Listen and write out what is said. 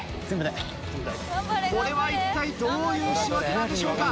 これは一体どういう仕分けなんでしょうか。